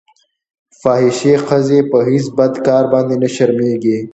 فاحشې ښځې په هېڅ بد کار باندې نه شرمېږي.